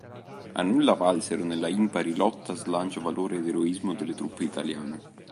A nulla valsero, nella impari lotta, slancio, valore ed eroismo delle truppe italiane.